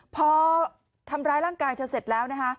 พอทำร้ายร่างกายเธอเสร็จแล้วนะคะ